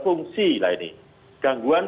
fungsi lah ini gangguan